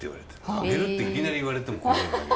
「あげる」っていきなり言われても困るんだけど。